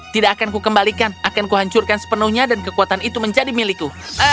tidak akan kukembalikan akan kuhancurkan sepenuhnya dan kekuatan itu menjadi milikku